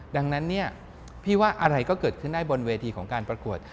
ดังนั้นเนี่ยพี่ว่าอะไรก็เกิดขึ้นได้บนเวทีของการประกวด